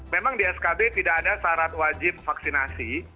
memang di skb tidak ada syarat wajib vaksinasi